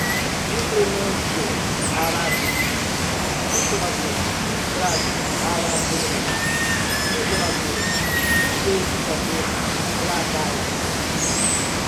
implemento, arados, subsolador, grades aradoras, niveladoras, pulverizadores, gradagem